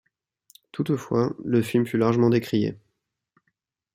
Toutefois, le film fut largement décrié.